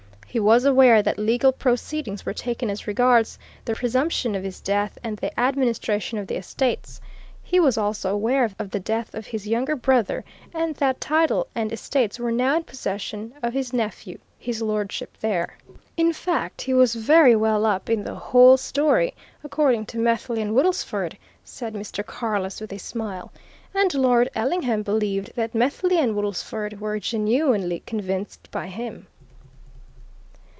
He was aware that legal proceedings were taken as regards the presumption of his death and the administration of the estates; he was also aware of the death of his younger brother and that title and estates were now in possession of his nephew His Lordship there. In fact, he was very well up in the whole story, according to Methley and Woodlesford," said Mr. Carless, with a smile. "And Lord Ellingham believed that Methley and Woodlesford were genuinely convinced by him."